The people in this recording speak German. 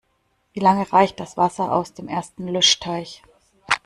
Wie lange reicht das Wasser aus dem ersten Löschteich?